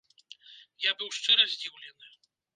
Я быў шчыра здзіўлены.